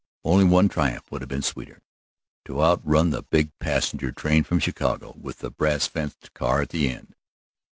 Only one triumph would have been sweeter to outrun the big passenger train from Chicago with the brass fenced car at the end.